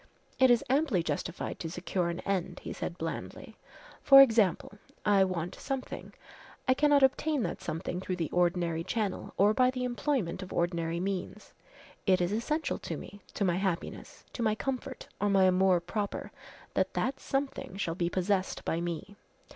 "It is amply justified to secure an end," he said blandly. "For example I want something I cannot obtain that something through the ordinary channel or by the employment of ordinary means. It is essential to me, to my happiness, to my comfort, or my amour propre, that that something shall be possessed by me.